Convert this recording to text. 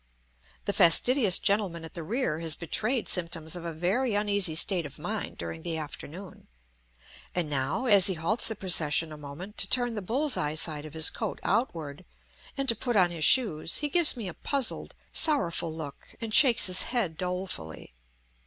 The fastidious gentleman at the rear has betrayed symptoms of a very uneasy state of mind during the afternoon, and now, as he halts the procession a moment to turn the bull's eye side of his coat outward, and to put on his shoes, he gives me a puzzled, sorrowful look and shakes his head dolefully.